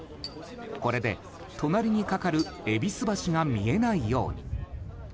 これで、隣にかかる戎橋が見えないように。